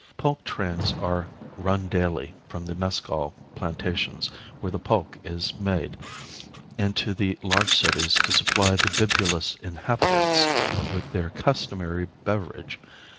Pulque trains are run daily from the mescal plantations, where the pulque is made, into the large cities to supply the bibulous inhabitants with their customary beverage.